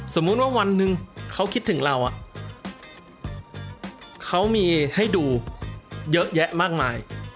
สมมุติว่าวันหนึ่งเขาคิดถึงเราเขามีให้ดูเยอะแยะมากมาย